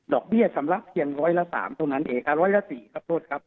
ดอกเบี้ยชำระเพียง๑๐๓ตรงนั้นเอกะ๑๐๔ครับโทษครับ